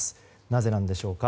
なぜなのでしょうか。